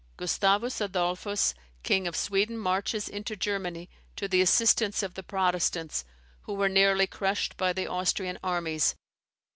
Gustavus Adolphus, King of Sweden, marches into Germany to the assistance of the Protestants, who ware nearly crushed by the Austrian armies.